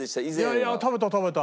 いやいや食べた食べた。